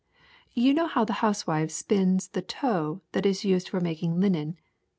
".You know how the housewife spins the tow that is used for making linen.